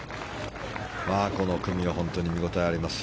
この組は本当に見応えがあります。